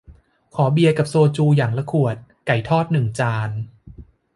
ขอเบียร์กับโซจู อย่างละขวด ไก่ทอดหนึ่งจาน